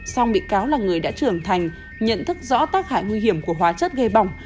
song bị cáo là người đã trưởng thành nhận thức rõ tác hại nguy hiểm của hóa chất gây bỏng